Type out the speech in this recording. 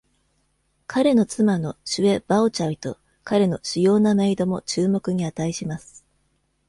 彼の妻のシュエ・バオチャイと彼の主要なメイドも注目に値します。